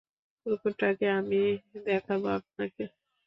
কুকুরটাকে আমি দেখাবো আপনাকে।